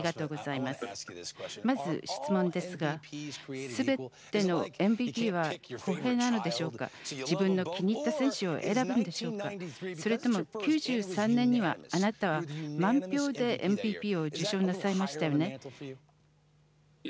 まず質問ですが自分の気に入った選手を選ぶんでしょうか、それとも９３年にはあなたは満票でＭＶＰを受賞なさいましたよね。